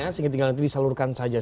sehingga nanti disalurkan saja